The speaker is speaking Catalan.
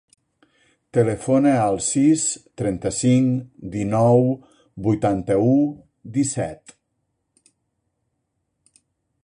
Telefona al sis, trenta-cinc, dinou, vuitanta-u, disset.